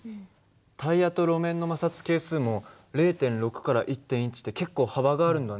タイヤと路面の摩擦係数も０．６１．１って結構幅があるんだね。